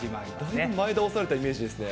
だいぶ前だおされたイメージですね。